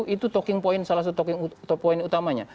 itu talking point salah satu talking point utamanya